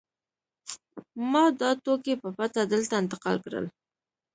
ما دا توکي په پټه دلته انتقال کړل